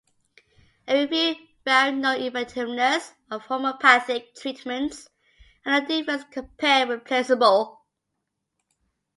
A review found no effectiveness of homeopathic treatments and no difference compared with placebo.